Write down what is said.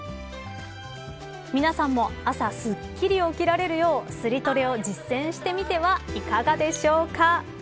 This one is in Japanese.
皆さんも朝、すっきり起きられるようスリトレを実践してみてはいかがでしょうか。